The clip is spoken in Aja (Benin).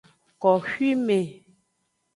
Koxwime.